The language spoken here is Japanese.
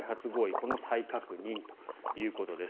この再確認ということです。